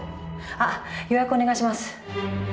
あ予約お願いします。